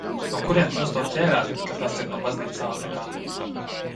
No kurienes jūs to ķērāt, ka tas ir no baznīcas Āfrikā?